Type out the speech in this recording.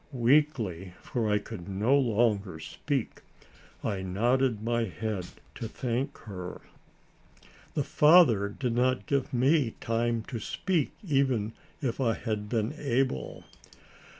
Weakly, for I could no longer speak, I nodded my head to thank her. The father did not give me time to speak even if I had been able.